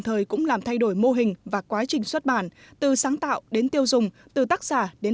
thời cũng làm thay đổi mô hình và quá trình xuất bản từ sáng tạo đến tiêu dùng từ tác giả đến